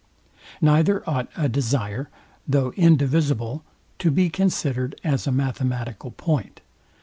Neither ought a desire, though indivisible, to be considered as a mathematical point.